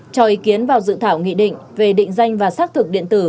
cho ý kiến vào dự thảo nghị định về định danh và xác thực điện tử